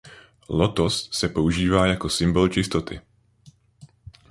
Lotos se používá jako symbol čistoty.